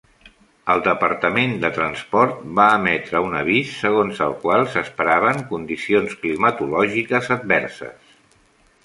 El Departament de Transport va emetre un avís segons el qual s'esperaven condicions climatològiques adverses.